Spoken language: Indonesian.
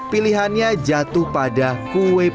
pilihannya jatuh pada kue